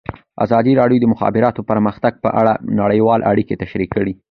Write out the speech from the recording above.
ازادي راډیو د د مخابراتو پرمختګ په اړه نړیوالې اړیکې تشریح کړي.